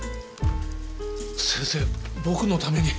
先生僕のために。